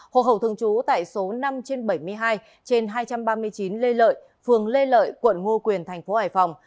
hộ khẩu thường trú tại số năm trên bảy mươi hai trên hai trăm ba mươi chín lê lợi phường lê lợi quận ngo quyền tp hải phòng